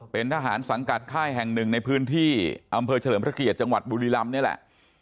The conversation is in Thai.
เป็นทหารสังกัดค่ายแห่งหนึ่งในพื้นที่อำเภอเฉลิมพระเกียรติจังหวัดบุรีรำนี่แหละ